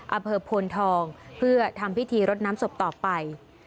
อำเภอโพนทองเพื่อทำพิธีรดน้ำศพต่อไป